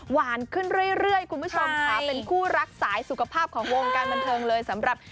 หวานขึ้นเรื่อยคุณผู้ชมค่ะเป็นคู่รักสายสุขภาพของวงการบันเทิงเลยสำหรับ